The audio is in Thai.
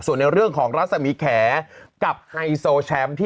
ส่วนในเรื่องของรัสมารีแขท